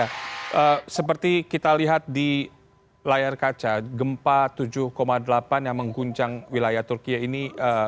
ya seperti kita lihat di layar kaca gempa tujuh delapan yang mengguncang wilayah turkiye ini